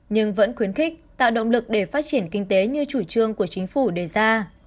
nhưng vẫn khuyến khích tạo động lực để phát triển kinh tế như chủ trương của chính phủ đề ra